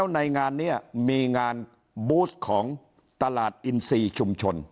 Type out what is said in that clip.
ในงานนี้มีงานบูสของตลาดอินซีชุมชน